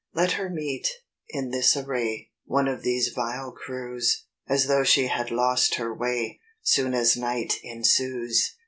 "Let her meet, in this array, One of these vile crews, As though she had lost her way, Soon as night ensues.